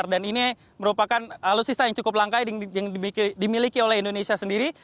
dan ini merupakan alutsista yang cukup langka yang dimiliki oleh indonesia sendiri